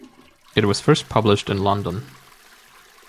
It was first published in London.